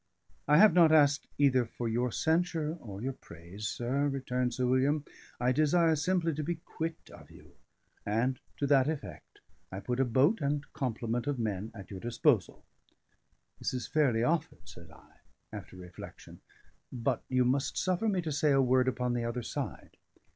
"I have not asked either for your censure or your praise, sir," returned Sir William. "I desire simply to be quit of you; and to that effect, I put a boat and complement of men at your disposal." "This is fairly offered," said I, after reflection. "But you must suffer me to say a word upon the other side.